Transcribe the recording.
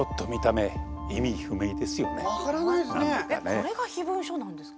これが秘文書なんですか？